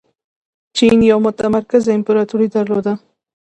چین یوه متمرکزه امپراتوري درلوده.